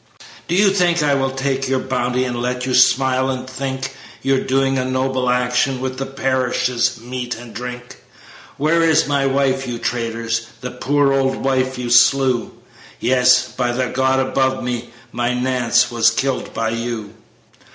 "Do you think I will take your bounty, And let you smile and think You're doing a noble action With the parish's meat and drink? Where's my wife, you traitors The poor old wife you slew? Yes, by the God above us, My Nance was killed by you!